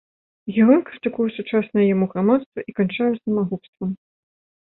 Герой крытыкуе сучаснае яму грамадства і канчае самагубствам.